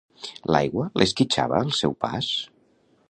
L'aigua l'esquitxava al seu pas?